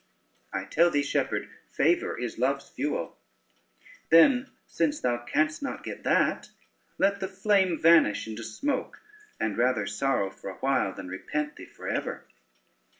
I tell thee, shepherd, favor is love's fuel; then since thou canst not get that, let the flame vanish into smoke, and rather sorrow for a while than repent thee for ever."